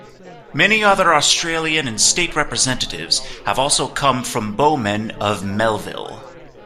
Many other Australian and State representatives have also come from Bowmen of Melville.